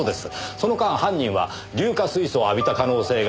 その間犯人は硫化水素を浴びた可能性が高い。